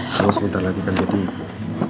kamu sebentar lagi akan jadi ibu